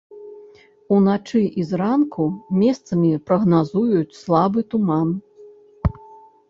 Уначы і зранку месцамі прагназуюць слабы туман.